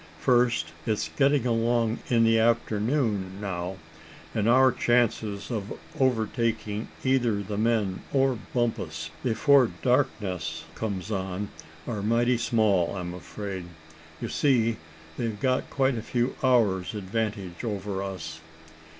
"First, it's getting along in the afternoon now, and our chances of overtaking either the men or Bumpus before darkness comes on are mighty small, I'm afraid. You see they've got quite a few hours' advantage over us."